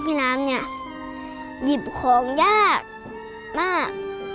น้ำเนี่ยหยิบของยากมาก